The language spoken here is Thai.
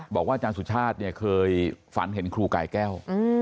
บอกว่าอาจารย์สุชาติเนี่ยเคยฝันเห็นครูไก่แก้ว